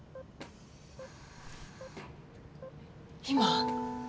今。